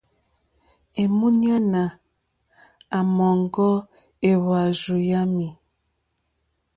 Èmúɲánà àmɔ̀ŋɡɔ́ éhwàrzù yámì.